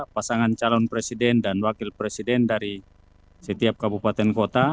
pasangan calon presiden dan wakil presiden dari setiap kabupaten kota